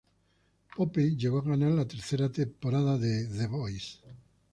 Pope llegó a ganar la tercera temporada de The Voice.